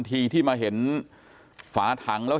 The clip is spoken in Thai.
กลุ่มตัวเชียงใหม่